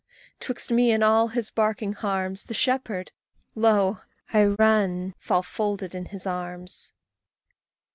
'twixt me and all his barking harms, The shepherd, lo! I run fall folded in his arms.